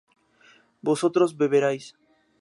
vosotros beberíais